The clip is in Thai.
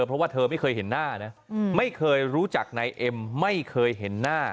เพราะว่าเธอไม่เคยเห็นหน้านะไม่เคยรู้จักนายเอ็มไม่เคยเห็นหน้า